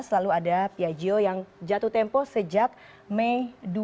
dua ribu tujuh belas lalu ada piaggio yang jatuh tempo sejak mei dua ribu empat belas